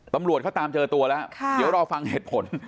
ตำรวจเขาตามเจอตัวแล้วเดี๋ยวรอฟังเหตุผล